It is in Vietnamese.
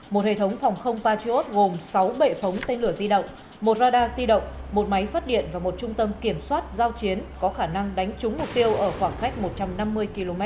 một hệ thống phòng không patriot gồm sáu bệ phóng tên lửa di động một radar di động một máy phát điện và một trung tâm kiểm soát giao chiến có khả năng đánh trúng mục tiêu ở khoảng cách một trăm năm mươi km